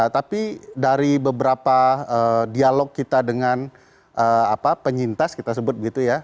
tapi dari beberapa dialog kita dengan penyintas kita sebut begitu ya